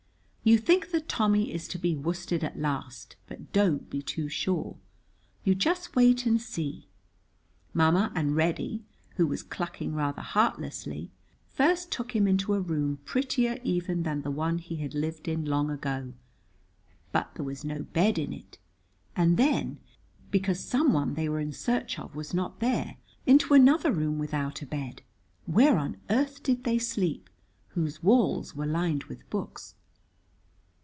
You think that Tommy is to be worsted at last, but don't be too sure; you just wait and see. Ma ma and Reddy (who was clucking rather heartlessly) first took him into a room prettier even than the one he had lived in long ago (but there was no bed in it), and then, because someone they were in search of was not there, into another room without a bed (where on earth did they sleep?) whose walls were lined with books.